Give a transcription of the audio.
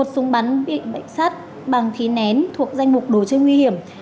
một súng bắn bị bệnh sát bằng thí nén thuộc danh mục đối chơi nguy hiểm